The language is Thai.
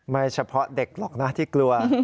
ไม่เฉพาะเด็กหรอกนะที่กลัว